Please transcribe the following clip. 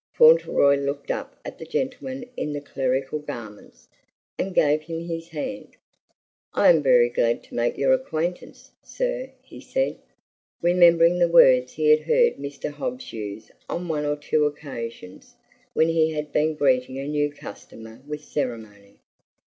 Fauntleroy looked up at the gentleman in the clerical garments, and gave him his hand. "I am very glad to make your acquaintance, sir," he said, remembering the words he had heard Mr. Hobbs use on one or two occasions when he had been greeting a new customer with ceremony.